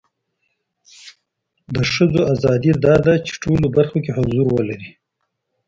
د خځو اذادی دا ده چې په ټولو برخو کې حضور ولري